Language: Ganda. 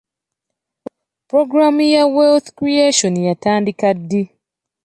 Pulogulamu ya operation wealth creation yatandika ddi?